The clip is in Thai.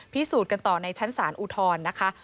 พิสูจน์กันต่อในชั้นศาลอุทธรณ์นะคะ